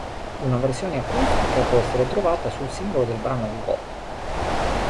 Una versione acustica può essere trovata sul singolo del brano "Go".